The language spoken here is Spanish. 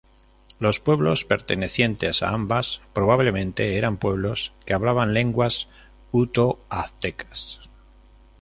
Los pueblos pertenecientes a ambas probablemente eran pueblos que hablaban lenguas utoaztecas.